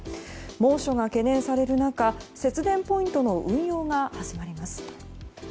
猛暑が懸念される中節電ポイントの運用が始まります。